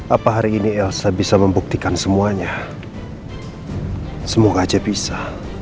apa hari ini elsa bisa membuktikan semuanya semoga aja bisa